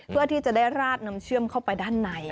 เพื่อที่จะได้ราดน้ำเชื่อมเข้าไปด้านใน